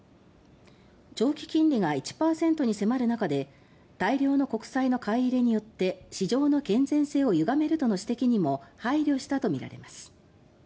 長期金利が１％に迫る中で大量の国債買い入れによって市場の健全性を歪めるとの指摘にも配慮したとみられます。